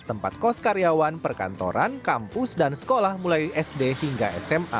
tempat kos karyawan perkantoran kampus dan sekolah mulai sd hingga sma